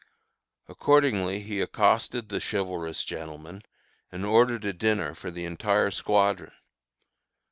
Accordingly he accosted the chivalrous gentleman, and ordered a dinner for the entire squadron.